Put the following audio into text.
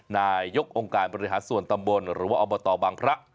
นายกองค์การบริหารส่วนตำบลหรือว่าอบตบังพระ